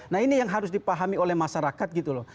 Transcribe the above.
nah ini yang harus dipahami oleh masyarakat gitu loh